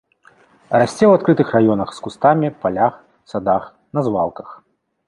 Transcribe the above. Расце ў адкрытых раёнах з кустамі, палях, садах, на звалках.